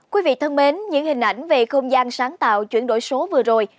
quý vị thân mến những hình ảnh về không gian sáng tạo chuyển đổi số vừa rồi